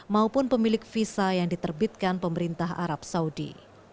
maupun pemilik visa yang diterbitkan pemerintah arab saudi